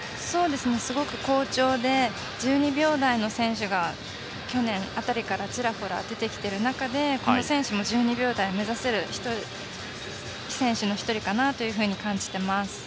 すごく好調で１２秒台の選手が去年辺りからちらほら出てきている中でこの選手も１２秒台を目指せる選手の１人かなというふうに感じています。